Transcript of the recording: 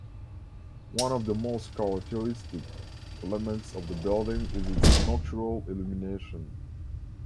One of the most characteristic elements of the building is its nocturnal illumination.